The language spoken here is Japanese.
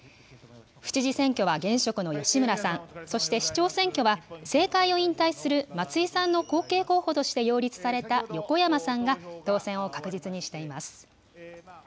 府知事選挙は現職の吉村さん、そして市長選挙は、政界を引退する松井さんの後継候補として擁立された横山さんが当選を確実にしています。